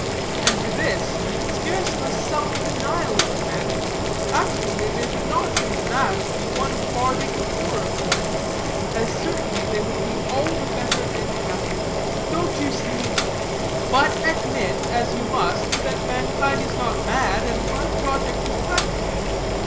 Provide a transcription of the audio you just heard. And to this, scarce a self denial is demanded. Actually, they would not in the mass be one farthing the poorer for it; as certainly would they be all the better and happier. Don't you see? But admit, as you must, that mankind is not mad, and my project is practicable.